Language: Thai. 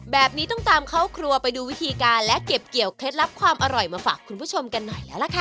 แบบนี้ต้องตามเข้าครัวไปดูวิธีการและเก็บเกี่ยวเคล็ดลับความอร่อยมาฝากคุณผู้ชมกันหน่อยแล้วล่ะค่ะ